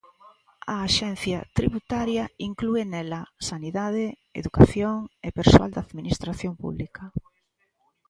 A Axencia Tributaria inclúe nela: sanidade, educación e persoal da administración pública.